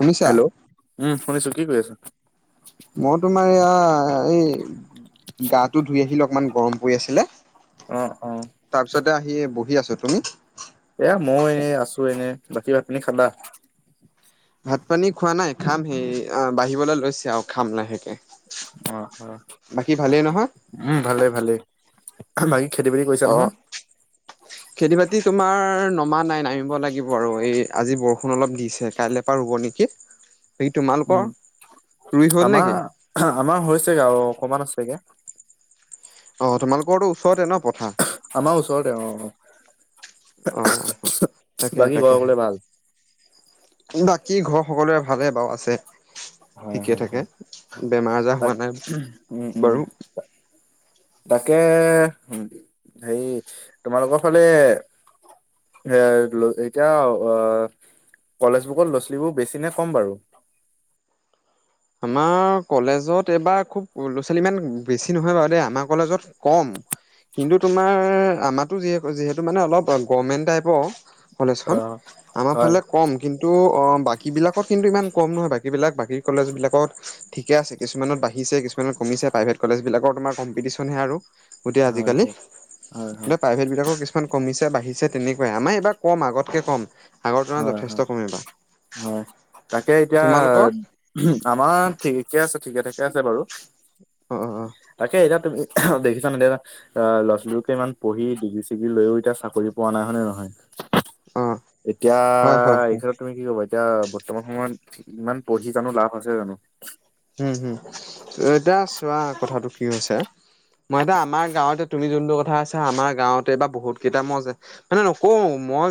শুনিছা হেল্ল' উম শুনিছো কি কৰি আছ? মই তোমাৰ এয়া এই গাটো ধুই আহিলে অকমান গৰম পৰি আছিলে। অ', অ', তাৰপিছতে আহি বহি আছো। তুমি? এয়া মইও এনেই আছো এনেই। বাকী ভাত পানি খালা? ভাত পানী খোৱা নাই, খাম সেই বাঢ়িবলৈ লৈছে আৰু খাম লাহেকে। অ, অ, বাকী ভালেই নহয় উম ভালে ভালে বা খেতি বাতি কৰিছা অ নহয়। খেতি বাতি তোমাৰ নমা নাই নামিব লাগিব আৰু এই আজি বৰষুণ অলপ দিছে কাইলৈ পৰা ৰুব নেকি। বাকী তোমালোকৰ উম ৰুই হ'ল নেকি আমাৰ আমাৰ হৈছেগে আৰু অকমান আছেগে। অ', তোমালোকৰ তো ওচৰতে ন পথাৰ? আমাৰ ওচৰতে অ', অ', অ', তাকেহে বাকী ঘৰৰ তাকেহে। সকলোৰে ভাল? বাকী ঘৰ সকলোৰে ভালে বাৰু আছে। হয়, ঠিকে হয়, হয়। থাকে বেমাৰ আজাৰ তাক হোৱা উম, নাই উম বাৰু। তাকে হেৰি তোমালোকৰ ফালে এ এতিয়া অ, কলেজ বুকত ল'ৰা ছোৱালীবোৰ বেছি নে কম বাৰু? আমাৰ কলেজত এইবাৰ খুব ল'ৰা ছোৱালী ইমান বেছি নহয় বাৰু দেই আমাৰ কলেজত কম। কিন্তু তোমাৰ আমাৰতো যিহেতু যিহেতু মানে অলপ গভমেণ্ট টাইপৰ কলেজখন অ', আমাৰ হয়, ফালে কম কিন্তু অ, বাকীবিলাকত কিন্তু ইমান কম নহয় বাকীবিলাক বাকী কলেজবিলাক কত ঠিকে আছে কিছুমানত বাঢ়িছে কিছুমানত কমিছে প্ৰাইভেট কলেজবিলাকৰ তোমাৰ কম্পিটিশ্যনহে আৰু। গোটেই হয়, আজিকালি হয়, হয়, হয়, প্ৰাইভেট বিলাকৰ কিছু মান কমিছে বাঢ়িছে তেনেকুৱাই আমাৰ এইবাৰ কম আগতকে কম। আগৰ তুলনাত হয় যথেষ্ট হয়, কম এইবাৰ হয় তাকে এতিয়া তোমালোকৰ আমাৰ ঠিকে আছে ঠিকে ঠাকে আছে বাৰু, অ অ তাকে এতিয়া তুমি দেখিছা ন দেয়া আহ ল'ৰা ছোৱালীকে ইমান পঢ়ি ডিগ্ৰী চিগ্ৰী লৈও এতিয়া চাকৰি পোৱা নাই হয়নে নহয়? অ' এতিয়া হয় হয় এই হয় ক্ষেত্ৰত তুমি কি কবা? এতিয়া বৰ্তমান সময়ত ইমান পঢ়ি জানো লাভ আছে জানো। উম হুম, এতিয়া চোৱা কথাটো কি হৈছে। মই এতিয়া আমাৰ গাঁৱতে তুমি যোনটো কথা আছা আমাৰ গাঁৱতে বা বহুত কেইটা মইযে মানে নকওঁ মই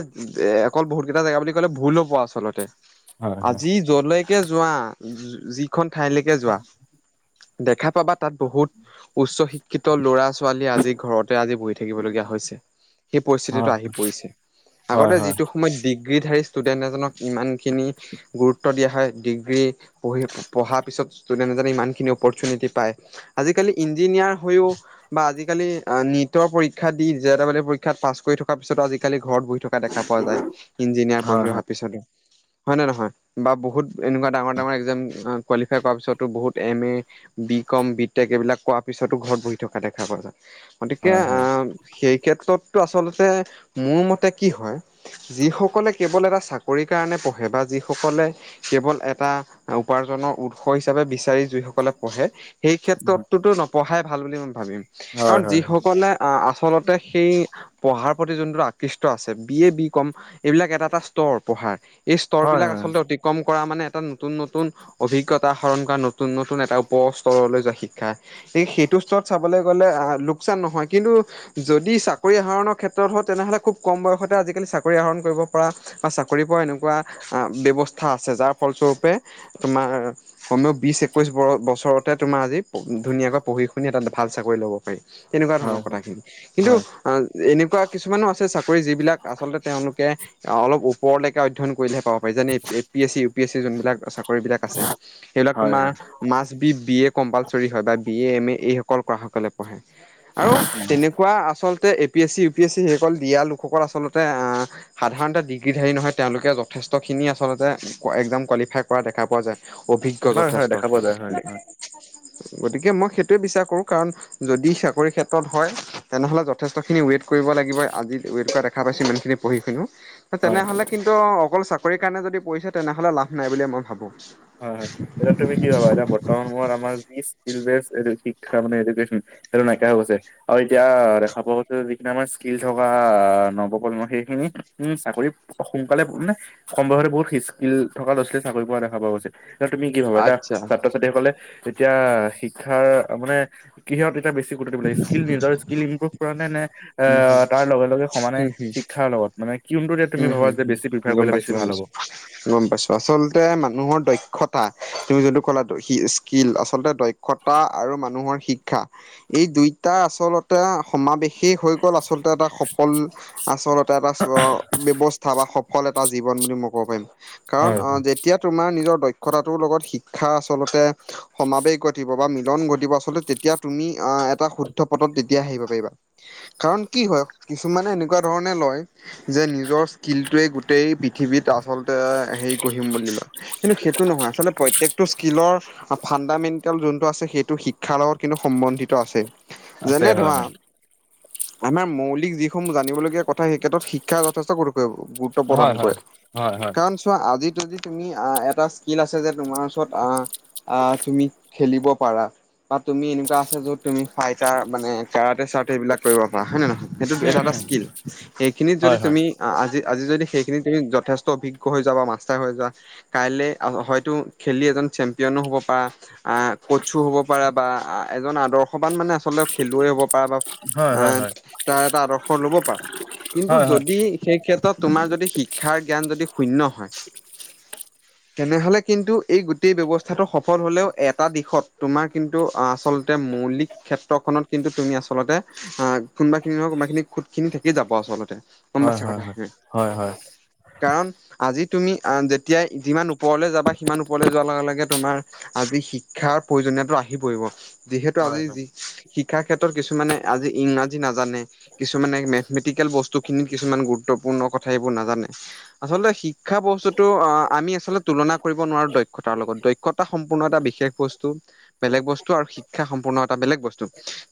অকল বহুত কেইটা জেগা বুলি ক'লে ভুল হব আচলতে। হয় আজি যলৈকে যোৱা যিখন ঠাইলৈকে যোৱা। দেখা পাবা তাত বহুত উচ্চ শিক্ষ ক্ষিত ল'ৰা ছোৱালী আজি ঘৰতে আজি বহি থাকিবলগীয়া হৈছে সেই হয় পৰিস্থিতিটো আহি পৰিছে। হয় আগতে হয় যিটো সময়ত দিগ ডিগ্ৰীধাৰী ষ্টুডেণ্ট এজনক কিমানখিনি গুৰুত্ব দিয়া হয় ডিগ্ৰী পঢ়ি পঢ়াৰ পিছত ষ্টুডেণ্ট এজনে ইমানখিনি অপৰচুনিটি পায় আজিকালি ইঞ্জিনিয়াৰ হৈও বা আজিকালি নিটৰ পৰীক্ষা দি জে ডবেল ই পৰীক্ষাত পাছ কৰি থকাৰ পিছতো আজিকালি ঘৰত বহি থকা দেখা পোৱা যায় ইঞ্জিনিয়াৰ পঢ়ি হয় অহা। পিছতো হয়নে নহয় বা বহুত এনেকুৱা ডাঙৰ ডাঙৰ এক্জাম কোৱালিফাই কৰাৰ পিছতো বহুত M A B com B tech এইবিলাক কৰা পিছতো ঘৰত বহি থকা দেখা পোৱা যায় গতিকে হয় হয় আহ সেই ক্ষেত্ৰতটো আচলতে মোৰ মতে কি হয়। যিসকলে কেৱল এটা চাকৰি কাৰণে পঢ়ে বা যিসকলে কেৱল এটা উপাৰ্জন উৎস হিচাপে বিচাৰি যিসকলে পঢ়ে সেই ক্ষেত্ৰতটোতো নপঢ়াই ভাল বুলি মই ভাবিম। হয় হয় কাৰণ হয় যিসকলে আ আচলতে সেই পঢ়াৰ প্ৰতি যোনটো আকৃষ্ট আছে বি এ বি কম এইবিলাক এটা এটা স্তৰ পঢ়াৰ। এই স্তৰ হয় বিলাক আচলতে অতিক্ৰম কৰা মানে এটা নতুন নতুন অভিজ্ঞতা আহৰণ কৰা নতুন নতুন এটা উপৰ স্তৰলৈ যোৱা শিক্ষা। সে সেইটো স্তৰত চাবলে গ'লে আহ লোকচান নহয় কিন্তু যদি চাকৰি আহৰণৰ ক্ষেত্ৰত হয় তেনেহ'লে খুব কম বয়সতে আজিকালি চাকৰি আহৰণ কৰিব পৰা বা চাকৰি পোৱা এনেকুৱা ব্যৱস্থা আছে যাৰ ফলস্বৰূপে তোমাৰ কমেও বিছ একৈছ বছৰতে তোমাৰ আজি ধুনীয়াকে পঢ়ি শুনি এটা ভাল চাকৰি ল'ব পাৰি তেনেকুৱা হয় হয় হয় ধৰণৰ হয় কথাখিনি কিন্তু হয় আ এনেকুৱা কিছুমানো আছে চাকৰি যিবিলাক আচলতে তেওঁলোকে অলপ ওপৰলৈকে অধ্যয়ন কৰিলেহে পা [unintelligible] এ P S C U P এছি যোন বিলাক চাকৰি বিলাক আছে সেইবিলাক হয় হয় তোমাৰ must B- B A compulsory হয় বা বি এ, এম এ এইসকল কৰা সকলে পঢ়ে আৰু তেনেকুৱা আচলতে এই A P S C, U P S C সেইসকল দিয়া লোকসকল আচলতে আ সাধাৰণতে ডিগ্ৰীধাৰী নহয় তেওঁলোকে যথেষ্টখিনি আচলতে একজাম কোৱালিফাই কৰা দেখা পোৱা যায়। অভিজ্ঞ হয় -হয় যথেষ্ট দেখা পোৱা যায় হয় হয়। গতিকে মই সেইটোৱে বিশ্বাস কৰোঁ কাৰণ যদি চাকৰি ক্ষেত্ৰত হয় তেনেহ'লে যথেষ্টখিনি ৱেট কৰিব লাগিব আজি ৱেট কৰা দেখা পাইছো মানে পঢ়ি শুনো হয় তেনেহ'লে কিন্তু অকল চাকৰিৰ কাৰণে যদি পঢ়িছে তেনেহলে লাভ নাই বুলি মই ভাবো। হয় -হয় এতিয়া তুমি কি ভাবা এতিয়া বৰ্তমান সময়ত আমাৰ এই স্কিল বেচ শিক্ষা মানে এডুকেশ্বন সেইটো নাইকিয়া হৈ গৈছে। অ', এতিয়া দেখা পোৱা গৈছে যে যিখিনি আমাৰ স্কিল থকা নৱ-প্ৰজন্ম সেইখিনি উম, চাকৰি সোনকালে মানে কম বয়সতে বহুত স্কি-স্কিল থকা ল'ৰা-ছোৱালীয়ে চাকৰি পোৱা দেখা পোৱা গৈছে। এতিয়া তুমি কি ভাবা, এতিয়া আচ্ছা, ছাত্ৰ ছাত্ৰীসকলে এতিয়া শিক্ষাৰ মানে কিহত এতিয়া বেছি গুৰুত্ব দিব লাগে। স্কিল নিজৰ স্কীল ইম্প্ৰুভ কৰা নে-নে এ উম, হম। তাৰ লগে-লগে সমানে উম, হম, শিক্ষাৰ লগত। মানে কিউনটোতে তুমি উম, হম, ভাবাযে হম, বেছি প্ৰিফাৰ গম কৰিলে বেছি পাইছোঁ, গম ভাল পাইছোঁ। হ'ব। গম পাইছো আচলতে মানুহৰ দক্ষতা তুমি যোনটো ক'লা স্কীল আচলতে দক্ষ ক্ষতা আৰু মানুহৰ শিক্ষা এই দুইটা আচলত তে সমাৱেশেই হৈ গ'ল, আচলতে এটা সফল আচলতে এটা চ ব্যৱস্থা বা সফল এটা জীৱন বুলি মই ক'ব পাৰিম কাৰণ হয় অ, হয় যে যেতিয়া তোমাৰ নিজৰ দক্ষতাটোৰ লগত শিক্ষা আচলতে সমাবেশ ঘটিব বা মিলন ঘটিব আচলতে তেতিয়া তুমি আহ এটা শুদ্ধ পথত তেতিয়া আহিব পাৰিবা। কাৰণ কি হয় কিছুমানে এনেকুৱা ধৰণে লয় যে নিজৰ স্কীল টোৱে গোটেই পৃথিৱীত আচলতে হেৰি গঢ়িম বুলি লয় কিন্তু সেইটো নহয় আচলতে প্ৰত্যেক কটো স্কিলৰ ফাণ্ডামেণ্টেল যোনটো আছে, সেইটো শিক্ষাৰ লগত কিন্তু সম্বন্ধিত আছে। আছে যেনে হয় ধৰা, হয় আমাৰ মৌলিক যিসমূহ জানিবলগীয়া কথা সেই ক্ষেত্ৰত শিক শিক্ষা যথেষ্ট গুৰুত্ব হয় প্ৰদান হয় কৰে, হয় হয় কাৰণ চোৱা আজি যদি তুমি এটা স্কিল আছে যে তোমাৰ ওচৰত আহ, আহ, তুমি খেলিব পাৰা। বা তুমি এনেকুৱা আছে য'ত তুমি ফাইটাৰ মানে কেৰাটে-চেৰাতে এইবিলাক কৰিব পাৰা হয় নে নহয় সেইটো উম এটা-এটা উম স্কিল, সেইখিনিত যদি হয় হয় আজি-আজি যদি সেইখিনি তুমি যথেষ্ট অভিজ্ঞ হৈ যাবা বা মাষ্টাৰ হৈ যোৱা। কাইলে হয়তো খেলি এজন চেম্পিয়ানো হ'ব পাৰা। আহ, কতচো হ'ব পাৰো বা এজন আদৰ্শবান মানে আচলতে খেলুৱৈ হ'ব পাৰা বা হয় হয় আহ, হয় তাৰ এটা আদৰ্শ ল'ব পাৰা কিন্তু হয় যদি সেই ক্ষেত্ৰত তোমাৰ যদি শিক্ষাৰ জ্ঞান যদি শূন্য হয়। [inaudible] তেনেহলে কিন্তু এই গোটেই ব্যৱস্থাটো সফল হলেও এটা দিশত তোমাৰ কিন্তু আচলতে মৌলিক ক্ষেত্ৰখনত কিন্তু তুমি আচলতে আহ কোনোবাখিনি নহয় কোনবা খিনি খুট খিনি থাকি যাব আচলতে। গম হয় পাইছা হয় হয় কথা খিনি। হয় হয় হয় কাৰণ আজি তুমি আ যেতিয়াই যিমান ওপৰলৈ যাবা সিমান ওপৰলৈ যোৱাৰ লগে-লগে তোমাৰ আজি শিক্ষাৰ প্ৰয়োজনীয়টো আহি পৰিব। যিহেতু হয় আজি শিক্ষাৰ ক্ষেত্ৰত কিছুমানে আজি ইংৰাজী নাজানে। কিছুমানে মেথমেটিকেল বস্তুখিনিত কিছুমান গুৰুত্বপূৰ্ণ কথা এইবোৰ নাজানে। আচলতে শিক্ষা বস্তুতো অ আমি আচলতে তুলনা কৰিব নোৱাৰো দক্ষতাৰ লগত। দক্ষতা টা সম্পূৰ্ণ এটা বিশেষ বস্তু, বেলেগ বস্তু আৰু শিক্ষা সম্পূৰ্ণ এটা বেলেগ বস্তু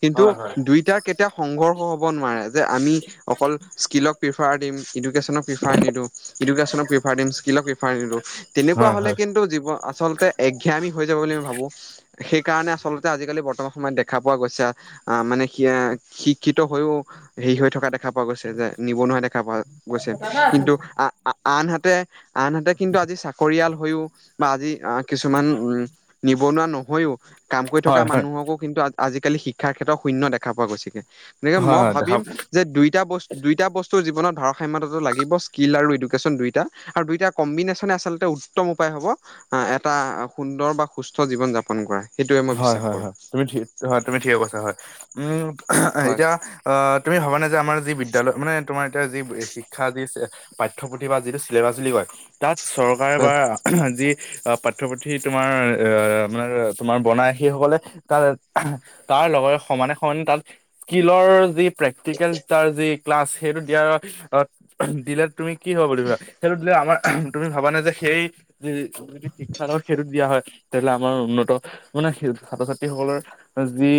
কিন্তু দুইটাৰ কেতিয়াও সংঘৰ্ষ হব নোৱাৰে। যে আমি অকল স্কিলক পিফাৰ দিম, ইডোকেশয্যন পিফাৰ নিদো, ইডোকেশয্যন দিম স্কিলক পিফাঁৰ নিদো। তেনেকুৱা হয় হলে কিন্তু জীৱন আচলতে এঘামি হৈ যাব বুলি মই ভাবো। সেইকাৰণে আচলতে আজিকালি বৰ্তমান সময়ত দেখা পোৱা গৈছে। আহ, মানে সিয়া শিক্ষিত হৈয়ও হেৰি হৈ থকা দেখা পোৱা গৈছে। যে নিবনুৱা দেখা পোৱা গৈছে। কিন্তু আ-আনহাতে-আনহাতে কিন্তু আজি চাকৰিয়াল হৈও, বা আজি কিছুমান উম, নিবনুৱা নহয়ও। কাম কৰি থকা হয় হয় মানুহকো কিন্তু আজিকালি শিক্ষাৰ ক্ষেত্ৰত শূন্য দেখা পোৱা গৈছে। তেনেকে হয় মই হয় দেখা ভাবিম যে দুইটা বস্তু দুইটা বস্তুৰ জীৱনত ভাৰসাম্যতাটো লাগিব স্কিল আৰু এডুকেশ্যন দুয়োটা। আৰু দুইটা কম্বিনেশ্যনে আচলতে উত্তম উপায় হ'ব আঁ এটা সুন্দৰ বা সুস্থ জীৱন যাপন কৰা। সেইটোৱে মই হয় বিশ্বাস হয় কৰোঁ হয়। তুমি হয় তুমি ঠিক কছা হয়। উম [inaudible] হয়। এতিয়া অ তুমি ভাবা নে? যে আমাৰ যি বিদ্যয়ালয় মানে তোমাৰ এতিয়া যি শিক্ষা যি পাঠ্যপুথি বা যিটো চিলেবাছ বুলি কয়। তাত চৰকাৰে হয় বা যি পাঠ্যয়পুথি তোমাৰ এ মানে তোমাৰ বনাই, সেইসকলে তাত তাৰ লগত সমানে সমানে তাত স্কিলৰ যি প্ৰেক্টিকেল তাৰ যি ক্লাছ, সেইটো দিয়াৰ অ দিলে তুমি কি হ'ব বুলিবা? সেইটো দিলে আমাৰ তুমি ভাবানে যে'সেই যদি শিক্ষা সেইটোত দিয়া হয়, তেতিয়াহ'লে আমাৰ উন্নত- মানে ছাত্ৰ- ছাত্ৰীসকলৰ যি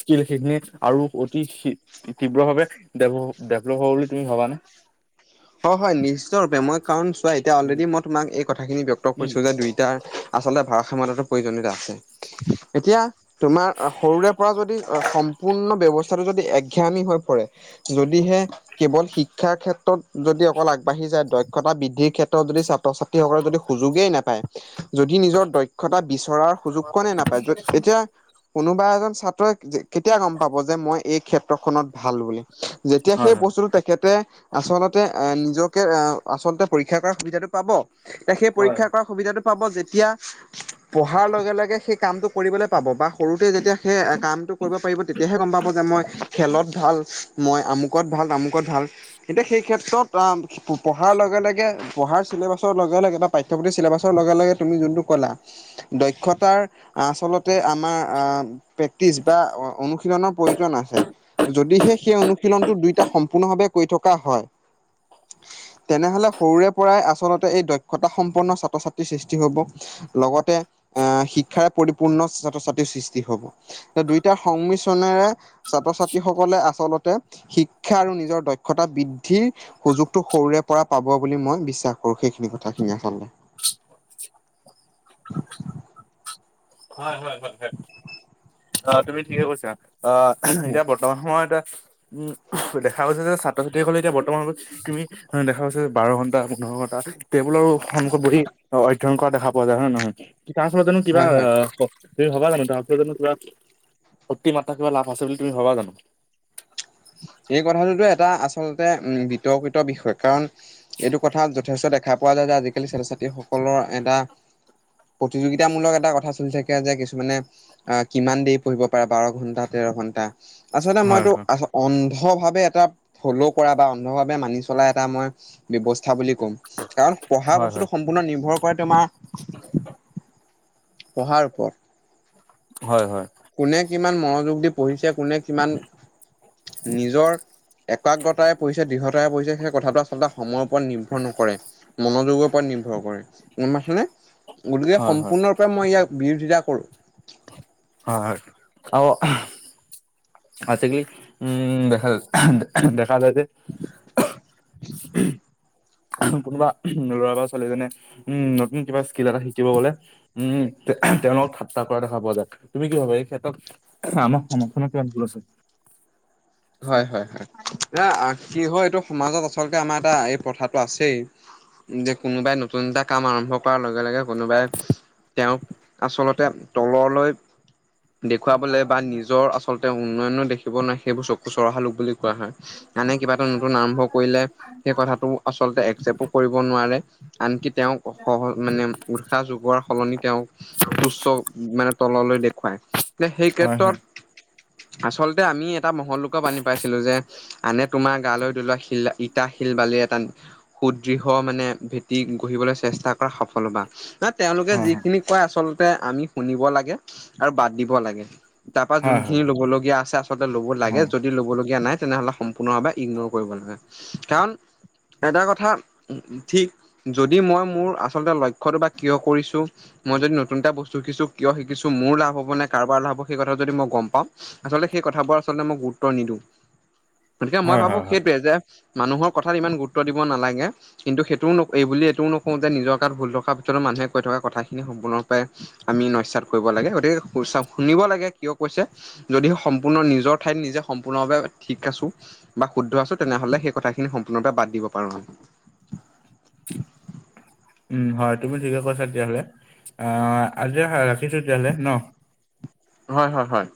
স্কিল সেইখিনি আৰু অতি তীব্ৰ ভাৱে ডেভলপ হব বুলি তুমি ভবানে? হয়, হয়। নিশ্চ ৰূপে মই কাৰণ চোৱা এতিয়া অলৰেডি মই তোমাক এই কথাখিনি ব্যক্ত কৰিছো যে দুইটা- আচলতে ভাৰষস্ষমতাটো প্ৰয়োজনীয়ত আছে। এতিয়া তোমাৰ সৰুৰে পৰা যদি সম্পূৰ্ণ ব্যৱস্থাটো যদি এক শিক্ষানি হৈ পৰে। যদিহে কেৱল শিক্ষাৰ ক্ষেত্ৰত যদি অকল আগবাঢ়ি যায়। দক্ষতা বৃদ্ধিৰ ক্ষেত্ৰত যদি ছাত্ৰ-ছাত্ৰী ই সকলে যদি সুযোগেই নাপায়, যদি নিজৰ দক্ষতা বিচৰাৰ সুযোগকনে নাপায়, এতিয়া কোনোবা এজন ছাত্ৰই কেতিয়া গম পাব যে'মই এই ক্ষেত্ৰখনত ভাল বুলি! যেতিয়া হয় হয় সেই বস্তুটো তেখেতে আচলত এ নিজকে আহ আচলতে পৰীক্ষা কৰাৰ সুবিধাটো পাব, সেই হয় পৰীক্ষা কৰা সুবিধাটো পাব যেতিয়া' পঢ়াৰ লগে-লগে সেই কামটো কৰিবলৈ পাব বা- সৰুতে যেতিয়া সেই কামটো কৰিব পাৰিব তেতিয়াহে গম পাব যে' মই খেলত ভাল, মই আমুকত ভাল, তামুকত ভাল এতিয়া সেই ক্ষেত্ৰত পঢ়াৰ লগে লগে, পঢ়াৰ চিলেবাছৰ লগে লগে বা পাঠ্যয়পুথিৰি চিলেবাছৰ লগে লগে তুমি যোনটো ক'লা। দক্ষতাৰ আচলতে আমাৰ আহ প্ৰেক্টিচ বা অনুশীলনৰ প্ৰয়োজন আছে। যদিহে সেই অনুশীলনটো দুইটা সম্পূৰ্ণ ভাৱে কৰি থকা হয়। তেনেহলে সৰুৰে পৰাই আচলতে এই দক্ষতা সম্পন্ন ছাত্ৰ ছাত্ৰীৰ সৃষ্টি হব, লগতে আহ শিক্ষাৰে পৰিপূৰ্ণ ছাত্ৰ -ছাত্ৰীৰ সৃষ্টি হ'ব। দুইটা সংমিশ্ৰণেৰে ছাত্ৰ -ছাত্ৰীসকলে আচলতে শিক্ষা আৰু নিজৰ দক্ষতা বৃদ্ধি দ্ধি সুযোগটো সৰুৰে পৰা পাব বুলি মই বিশ্বাস কৰো। সেইখিনি কথাখিনিয়ি আচলতে হয় হয় হয় হয়। অঁ তুমি ঠিকে কৈছা, অ এতিয়া বৰ্তমান সময় এটা উম [unintelligible] দেখা গৈছে যে ছাত্ৰ-ছাত্ৰীসকলে এতিয়া বৰ্তমানত তুমি দেখা পাইছ বাৰ ঘণ্টা, পোন্ধৰ ঘণ্টা টেবুলৰ সন্মুখত বহি অধ্যয়ন কৰা দেখা পোৱা যায়, হয় নহয়? তাৰ পাছলত জানো কিবা হয় হয় আহ তুমি ভবা জানো তাৰছ জানো কিবা' অতি মাত্ৰা কিবা লাভ আছে বুলি তুমি ভবা জানো? এই কথাটোতো এটা আচলতে বিতৰ্কিত বিষয়। কাৰণ এইটো কথা যথেষ্ট দেখা পোৱা যায় যে' আজিকালি ছাত্ৰ ছাত্ৰীসকলৰ এটা প্ৰতিযোগিতামূলক এটা কথা চলিচে যে কিছুমানে আহ কিমান দেৰি পঢ়িব পাৰে বাৰ ঘণ্টা, তেৰ ঘন্টা, আচলতে হয় মইতো হয় আ অন্ধভাৱে এটা ফ'ল' কৰা বা অন্ধভাৱে মানি চলা এটা মই ব্যৱস্থা বুলি ক'ম। কাৰণ পঢ়া হয় বস্তুতটো সম্পূৰ্ণ নিৰ্ভৰ কৰে তোমাৰ [inaudible] পঢ়াৰ ওপৰত। হয় হয় [inaudible] কোনে কিমান মনোযোগ দি পঢ়িছে, কোনে কিমান নিজৰ একাগ্ৰতাৰে পৰিছে, দৃঢ়তাৰে পৰিছে সেই কথাটো আচলতে সময়ৰ ওপৰত নিৰ্ভৰ নকৰে। মনোযোগৰ পৰা নিৰ্ভৰ কৰে। গম পাইছানে? গতিকে' হয় হয় সম্পূৰ্ণ পৰা মই ইয়াক বিৰোধিতা কৰোঁ। হয় হয় আও আছে কি উম দেখা দেখা যায় যে - কোনোবা ল'ৰা বা ছোৱালীজনে উম নতুন কিবা স্কিল এটা শিকিব গলে- উম তেওঁলক ঠাট্টা কৰা দেখা পোৱা যায়, তুমি কি ভাবা এই ক্ষেত্ৰত- [unintelligible] হয় হয় হয় এ কি হয় এইটো সমাজত আচলতে আমাৰ এটা এই প্ৰথাটো আছেই। যে কোনোবাই নতুন এটা কাম আৰম্ভ কৰাৰ লগে লগে কোনোবাই- তেওঁক আচলতে তললৈ- দেখুৱাবলে বা নিজৰ আচলতে উন্নয়নো দেখিব নাই। খুচৰ অহা লোক বুলি কোৱা হয়, এনে কিবা এটা নতুন আৰম্ভ কৰিলে। সেই কথাটো আচলতে একচেপো কৰিব নোৱাৰে। আনকি তেওঁক সহজ মানে উৎসাহ যোগোৱাৰ সলনি তেওঁক- তুচ্চ মানে তললৈ দেখুৱাই, সেই হয় হয় ক্ষেত্ৰত- আচলতে আমি এটা মহৎ- পানি পাইছিলো যে, আনে তোমাৰ গালৈ দলোৱা শিল ইটা শিল বালি এটা- সুদৃঢ় মানে ভেটি গঢ়িবলৈ চেষ্টা কৰা সফলতা। ন তেওঁলোকে হয় যিখিনি কয় আচলতে আমি শুনিব লাগে আৰু বাদ দিব লাগে। তাৰ পৰা হয় হয় যোনখিনি ল'ব লগীয়া আছে, আচলতে ল'ব লাগে হয় যদি ল'ব লগীয়া নাই তেনেহলে- পুনৰ এবাৰ ইগনৰ কৰিব লাগে, কাৰণ এটা কথা ঠিক- যদি মই মোৰ আচলতে লক্ষ্যটো বা কিয় কৰিছো। মই যদি নতুনটা বস্তু শিকিছো কিয় শিকিছো মোৰ লাভ হব নে কাৰোৰ লাভ হব সেই কথা য মই গম পাম। আচলতে সেই কথাবোৰ আচলতে মই গুৰুত্ব নিদিওঁ গতিকে মই হয় হয় ভাবো হয় হয় সেইটোৱে যে- মানুহৰ কথাত ইমান গুৰুত্ব দিব নালাগে। কিন্তু সেইটোও এই বুলি এইটোও নকওঁ যে নিজৰ গাত ভুল থকাৰ পিছতো মানুহে কৈ থকা কথাখিনি সম্পূৰ্ণৰূপে- আমি নস্যাত, কৰিব লাগে গতিকে শুনিব লাগে কিয় কৈছে। যদি সম্পূৰ্ণ নিজৰ ঠাইত নিজে- সম্পূৰ্ণৰে ঠিক আছোঁ বা শুদ্ধ আছোঁ। তেনেহলে সেই কথাখিনি সম্পূৰ্ণৰপে বাদ দিব পাৰোঁ আমি উম হয় তুমি ঠিকে কৈছা। তেতিয়াহ'লে অহ আজি ৰাখিছোঁ তেতিয়াহ'লে নহ হয় হয় হয়।